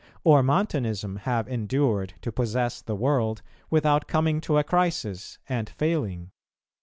or Montanism have endured to possess the world, without coming to a crisis, and failing?